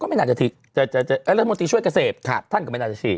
ไม่น่าจะฉีดรัฐมนตรีช่วยเกษตรท่านก็ไม่น่าจะฉีด